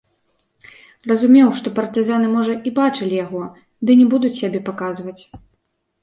Разумеў, што партызаны, можа, і бачылі яго, ды не будуць сябе паказваць.